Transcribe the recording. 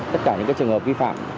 tất cả những cái trường hợp vi phạm